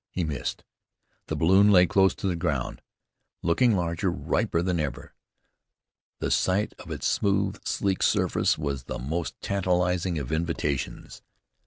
He missed. The balloon lay close to the ground, looking larger, riper than ever. The sight of its smooth, sleek surface was the most tantalizing of invitations.